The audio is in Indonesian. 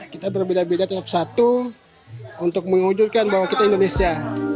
kita berbeda beda tetap satu untuk mewujudkan bahwa kita indonesia